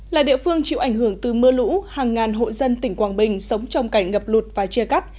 là địa phương chịu ảnh hưởng từ mưa lũ hàng ngàn hộ dân tỉnh quảng bình sống trong cảnh ngập lụt và chia cắt